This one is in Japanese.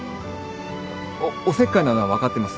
おおせっかいなのは分かってます。